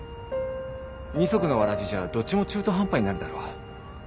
二足のわらじじゃどっちも中途半端になるだろ？